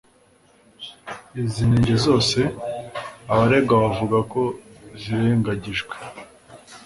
Izi nenge zose, abaregwa bavuga ko zirengagijwe